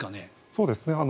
そうですね。